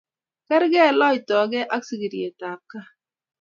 Kerkei loitoke ak sigirietab gaa